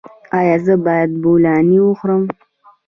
ایا زه باید بولاني وخورم؟